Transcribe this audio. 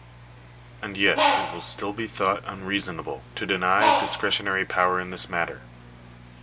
And yet it will still be thought unreasonable to deny discre tionary power in this matter.